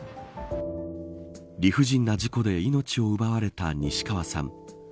理不尽な事故で命を奪われた西川さん。